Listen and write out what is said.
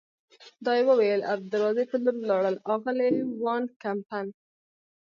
دا یې وویل او د دروازې په لور ولاړل، اغلې وان کمپن.